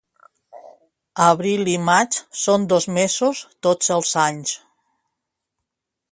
Abril i maig són dos mesos tots els anys.